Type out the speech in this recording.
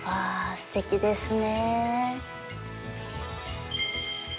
すてきですね。